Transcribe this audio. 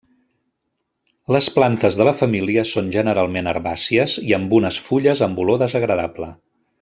Les plantes de la família són generalment herbàcies i amb unes fulles amb olor desagradable.